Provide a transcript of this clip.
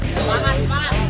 semangat semangat semangat